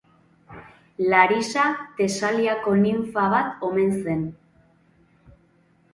Larisa Tesaliako ninfa bat omen zen.